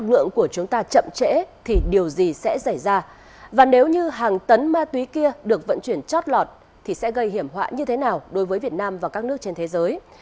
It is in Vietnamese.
còn nếu như hàng tấn ma túy kia được vận chuyển chót lọt thì sẽ gây hiểm họa như thế nào đối với việt nam và các nước trên thế giới